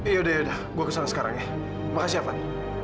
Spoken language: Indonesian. yaudah yaudah gue kesana sekarang ya makasih ya van